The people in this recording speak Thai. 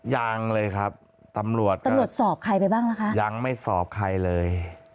ยังเลยครับตำรวจตำรวจสอบใครไปบ้างล่ะคะยังไม่สอบใครเลย